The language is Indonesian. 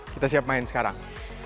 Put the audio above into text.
kita siap main sekarang